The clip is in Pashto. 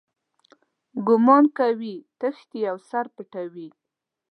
ګومان کوي تښتي او سر پټوي.